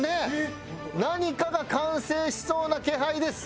何かが完成しそうな気配です。